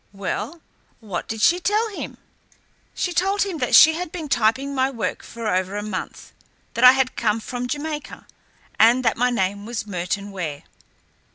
"Well, what did she tell him?" "She told him that she had been typing my work for over a month, that I had come from Jamaica, and that my name was Merton Ware."